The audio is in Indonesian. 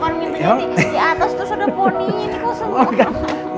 kan mimpinya di atas terus ada poni